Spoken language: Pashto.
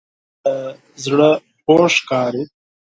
ښایست له زړه خوږ ښکاري